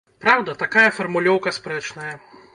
Праўда, такая фармулёўка спрэчная.